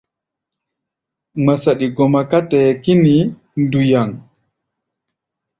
Ŋma saɗi gɔma ká tɛ-ɛ́ɛ́ kínií nduyaŋ.